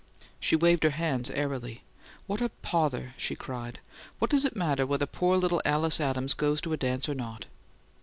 She waved her hands airily. "What a pother!" she cried. "What does it matter whether poor little Alice Adams goes to a dance or not?"